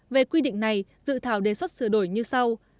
về quy định này dự thảo đề xuất sửa đổi như sau